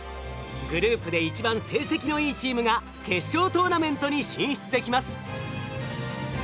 グループで一番成績のいいチームが決勝トーナメントに進出できます。